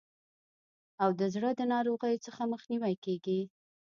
او د زړه د ناروغیو څخه مخنیوی کیږي.